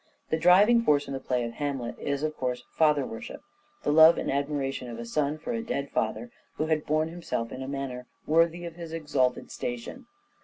The driving force in the play of " Hamlet " is, of course, father worship ; the love and admiration of a son for a dead father who had borne himself in a manner DRAMATIC SELF REVELATION 467 worthy of his exalted station.